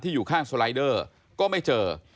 อยู่ข้างสไลเดอร์ก็ไม่เจอ